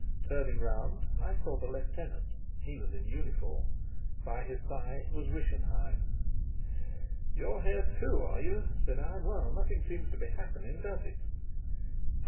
Turning round, I saw the lieutenant. He was in uniform. By his side was Rischenheim. "You're here too, are you?" said I. "Well, nothing seems to be happening, does it?" For No.